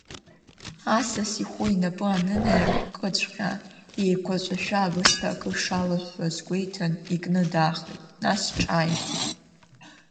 Асас ихәы инапы анынаиркыҵәҟьа, еиқәаҵәашәа ибысҭа акы шалыҳәҳәоз гәеиҭан икны даахеит, нас ҿааиҭит…